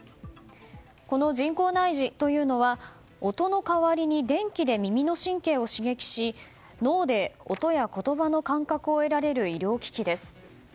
この人工内耳というのは音の代わりに、電気で耳の神経を刺激し脳で音や言葉の感覚を得られる医療機器です。